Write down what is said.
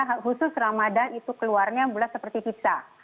khusus ramadhan itu keluarnya bulat seperti pizza